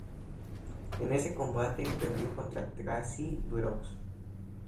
En ese combate, perdió contra Traci Brooks.